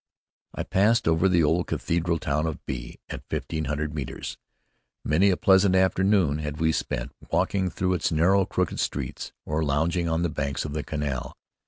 I passed over the old cathedral town of B at fifteen hundred metres. Many a pleasant afternoon had we spent there, walking through its narrow, crooked streets, or lounging on the banks of the canal.